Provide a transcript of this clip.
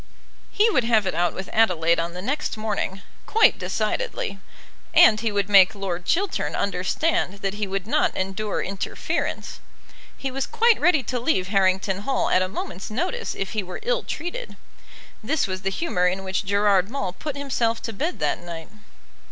He would have it out with Adelaide on the next morning, quite decidedly. And he would make Lord Chiltern understand that he would not endure interference. He was quite ready to leave Harrington Hall at a moment's notice if he were ill treated. This was the humour in which Gerard Maule put himself to bed that night.